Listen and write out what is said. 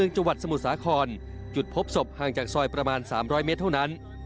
จุดพบศพห่างจากซอยประมาณสามร้อยเมตรเท่านั้น